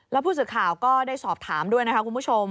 แล้วผู้สื่อข่าวก็ได้สอบถามด้วยนะคะคุณผู้ชม